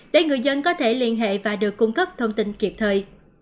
để người dân có thể liên hệ và được cung cấp thông tin kịp thời